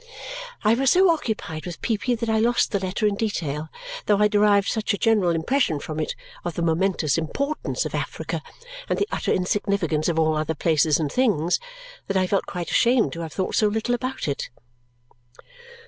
I was so occupied with Peepy that I lost the letter in detail, though I derived such a general impression from it of the momentous importance of Africa, and the utter insignificance of all other places and things, that I felt quite ashamed to have thought so little about it.